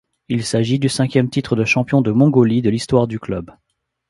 Il s'agit du cinquième titre de champion de Mongolie de l'histoire du club.